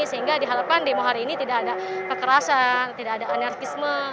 sehingga diharapkan demo hari ini tidak ada kekerasan tidak ada anarkisme